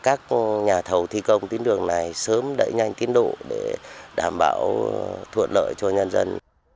các nhà thầu thi công tín đường này sớm đẩy nhanh tiến độ để đảm bảo thuận lợi cho nhân dân